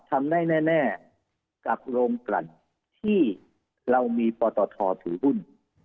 ทำได้แน่กับโรงกลั่นที่เรามีปตทถือหุ้น